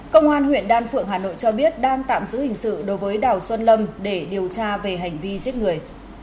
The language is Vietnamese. công an huyện đan phượng hà nội cho biết đang tạm giữ hình sự đối với đào xuân lâm để điều tra về hành vi giết người